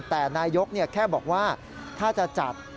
แต่นายกแค่บอกว่าถ้าจะจับ